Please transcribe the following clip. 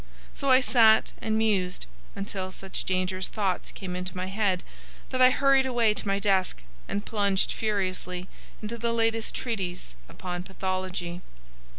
So I sat and mused, until such dangerous thoughts came into my head that I hurried away to my desk and plunged furiously into the latest treatise upon pathology.